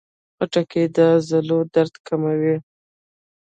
خټکی د عضلو درد کموي.